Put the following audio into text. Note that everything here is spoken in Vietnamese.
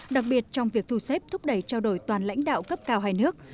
đặc biệt trong việc thu xếp thúc đẩy trao đổi toàn lãnh đạo cấp cao hai nước